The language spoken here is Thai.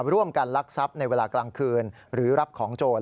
ร่วมกันลักษัพธ์ในเวลากลางคืนหรือรับของโจทย์